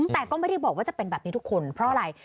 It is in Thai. แต่ก็ไม่ได้บอกว่าจะเป็นแบบนี้ทุกคนเพราะอะไร